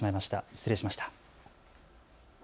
失礼しました。